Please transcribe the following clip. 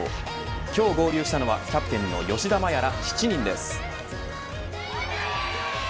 今日合流したのは、キャプテンの吉田麻也ら７人です。